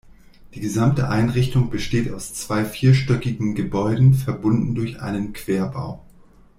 Die gesamte Einrichtung besteht aus zwei vierstöckigen Gebäuden, verbunden durch einen Querbau.